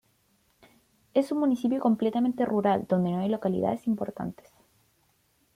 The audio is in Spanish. Es un municipio completamente rural donde no hay localidades importantes.